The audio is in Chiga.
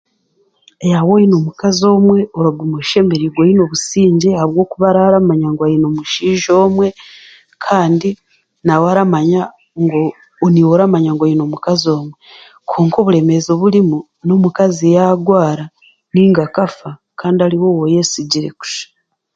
ya Waaba oine omukazi omwe oraguma oshemerirwe oine obusingye ahabwokuba araaramanya ngu aine omushaija omwe kandi naiwe oramanya ngu oine omukazi omwe kwonka oburemeezi oburimu n'omukaazi yaagwara nainga akafa kandi ariwe ou wooyesigire kusha